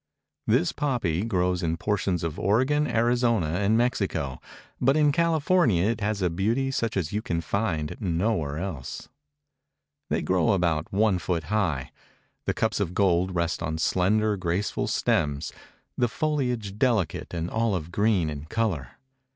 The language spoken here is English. This poppy grows in portions of Oregon, Arizona and Mexico, but in California it has a beauty such as you can find nowhere else. They grow about one foot high. The cups of gold rest on slender, graceful stems; the foliage delicate and olive green in color.